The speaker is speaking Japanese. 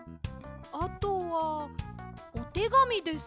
あとはおてがみです。